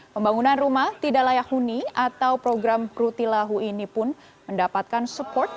pembangunan rumah tidak layak huni atau program rutilahu ini pun mendapatkan support